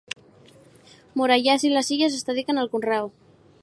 Morellàs i les Illes es dediquen al conreu.